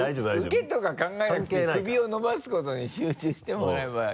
ウケとか考えなくていい首を伸ばすことに集中してもらえばいいから。